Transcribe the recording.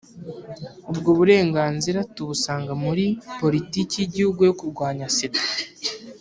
ubwo burenganzira tubusanga muri poli tiki y’igihugu yo kurwanya sida